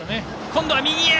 今度は右へ！